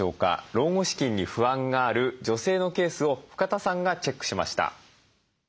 老後資金に不安がある女性のケースを深田さんがチェックしました。